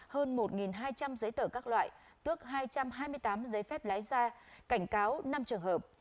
hơn một hai trăm linh giấy tờ các loại tước hai trăm hai mươi tám giấy phép lái xe cảnh cáo năm trường hợp